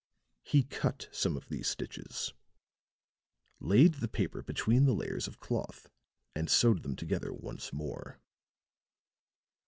He cut some of these stitches, laid the paper between the layers of cloth and sewed them together once more."